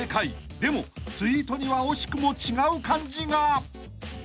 ［でもツイートには惜しくも違う漢字が］